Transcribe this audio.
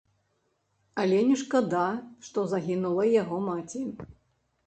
Але не шкада, што загінула яго маці.